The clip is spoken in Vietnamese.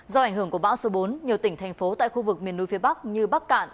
do ảnh hưởng của bão số bốn nhiều tỉnh thành phố tại khu vực miền núi phía bắc như bắc cạn